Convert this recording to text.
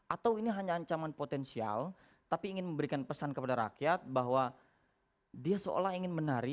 atau ini hanya ancaman potensial tapi ingin memberikan pesan kepada rakyat bahwa dia seolah ingin menari